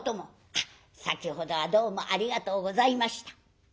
「あっ先ほどはどうもありがとうございました」。